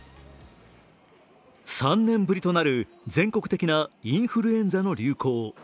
３年ぶりとなる全国的なインフルエンザの流行。